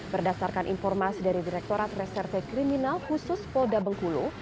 berdasarkan informasi dari direktorat reserte kriminal khusus polda bengkulu